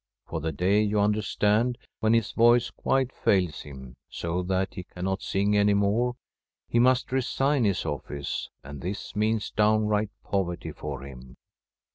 For the day, you understand, when his voice quite fails him, so that he cannot sing any more, he must resign his office, and this means downright poverty for him.